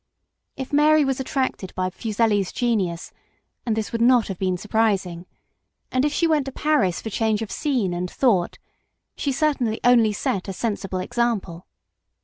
If Mary was attracted by Fuseli's genius, and this would not have been surprising, and if she went to Paris for change of scene and thought, she certainly only set a sensible example.